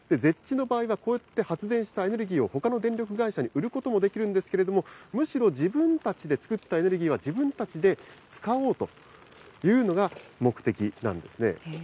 ＺＥＨの場合は、こうやって発電したエネルギーをほかの電力会社に売ることもできるんですけれども、むしろ自分たちで作ったエネルギーは自分たちで使おうというのが目的なんですね。